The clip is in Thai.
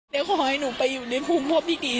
เดี๋ยวขอให้หนูไปอยู่ในภูมิพบที่ดี